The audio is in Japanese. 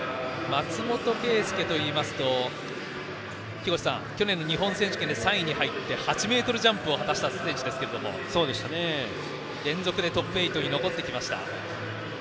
松本彗佑というと木越さん、去年の日本選手権で３位に入って、８ｍジャンプを果たした選手ですが連続でトップ８に残ってきました。